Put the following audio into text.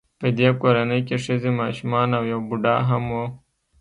په دې کورنۍ کې ښځې ماشومان او یو بوډا هم و